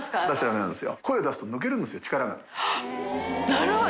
なるほど！